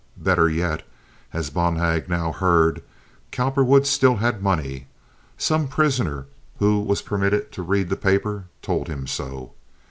Better yet, as Bonhag now heard, Cowperwood still had money. Some prisoner, who was permitted to read the paper, told him so.